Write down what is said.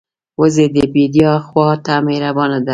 وزې د بیدیا خوا ته مهربانه ده